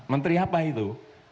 menteri apa itu